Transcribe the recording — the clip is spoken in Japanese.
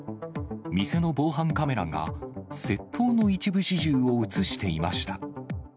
店の防犯カメラが、窃盗の一部始終を写していました。